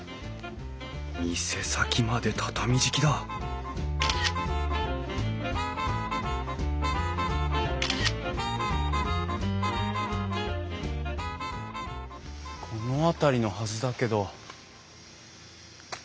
店先まで畳敷きだこの辺りのはずだけど。